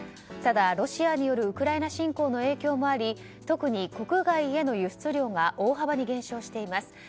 ただ、ロシアによるウクライナ侵攻の影響もあり特に国外への輸出量が大幅に減少しています。